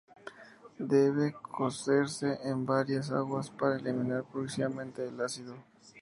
Debe cocerse en varias aguas para eliminar progresivamente el ácido.